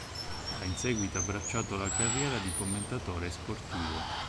Ha in seguito abbracciato la carriera di commentatore sportivo.